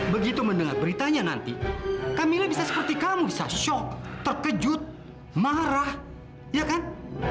begitu mendengar beritanya nanti kamilah bisa seperti kamu bisa shock terkejut marah ya kan